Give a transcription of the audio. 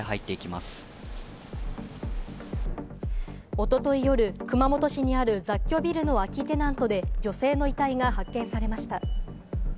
おととい夜、熊本市にある雑居ビルの空きテナントで、女性の遺体が発見されました。